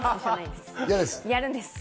やるんです！